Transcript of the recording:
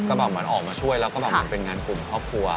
ก็แบบเหมือนออกมาช่วยแล้วก็บอกว่าเป็นงานกลุ่มครอบครัว